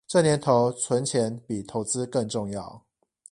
這年頭存錢比投資更重要